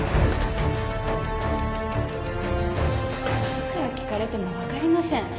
いくら聞かれても分かりません。